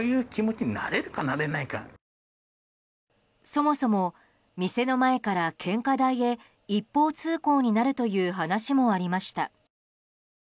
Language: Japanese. そもそも店の前から献花台へ一方通行になるという話もありました。